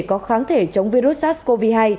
có kháng thể chống virus sars cov hai